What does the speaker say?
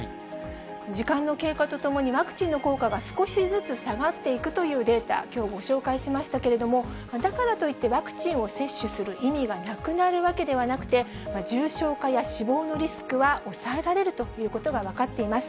時間の経過とともにワクチンの効果が少しずつ下がっていくというデータ、きょうご紹介しましたけれども、だからといってワクチンを接種する意味がなくなるわけではなくて、重症化や死亡のリスクは抑えられるということが分かっています。